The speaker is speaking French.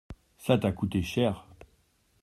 Ça t’a coûté cher.